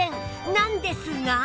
なんですが！